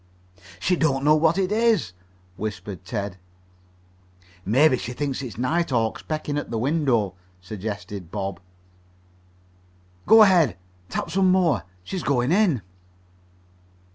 "She don't know what it is," whispered Ted. "Maybe she thinks it's night hawks pecking at the window," suggested Bob. "Go ahead. Tap some more. She's going in."